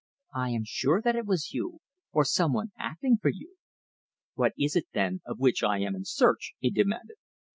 "I am sure that it was you, or some one acting for you." "What is it, then, of which I am in search?" he demanded.